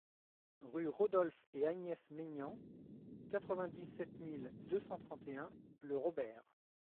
Rue Rodolphe et Agnès Maignan, quatre-vingt-dix-sept mille deux cent trente et un Le Robert